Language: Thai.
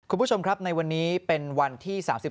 คุณผู้ชมครับในวันนี้เป็นวันที่๓๔